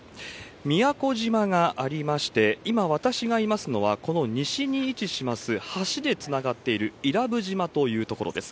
宮古島がありまして、今、私がいますのは、この西に位置します、橋でつながっている伊良部島というところです。